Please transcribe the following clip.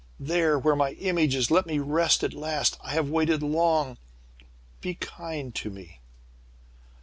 There, where my image is, let me rest at last. I have waited long, be kind to me.'